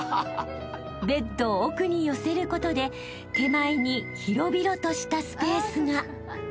［ベッドを奥に寄せることで手前に広々としたスペースが］